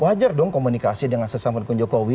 wajar dong komunikasi dengan sesama pendukung jokowi